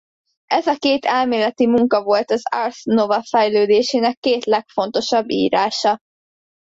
Ez a két elméleti munka volt az ars nova fejlődésének két legfontosabb írása.